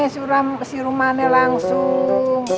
surah si rumahnya langsung